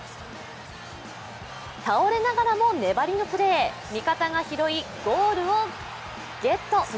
倒れながらも、粘りのプレー味方が拾い、ゴールをゲット。